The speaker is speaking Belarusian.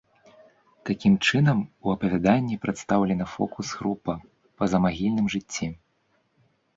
Такім чынам у апавяданні прадстаўлена фокус-група па замагільным жыцці.